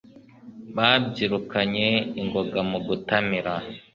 babyirukanye ingoga mu gutamira